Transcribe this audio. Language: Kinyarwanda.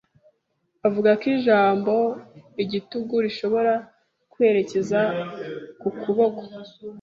Avuga ko ijambo igitugu rishobora kwerekeza ku kuboko